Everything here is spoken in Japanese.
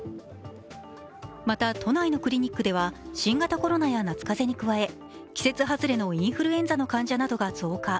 また、都内のクリニックでは新型コロナや夏風邪に加え季節外れのインフルエンザの患者などが増加。